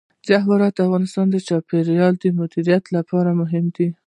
جواهرات د افغانستان د چاپیریال د مدیریت لپاره مهم دي.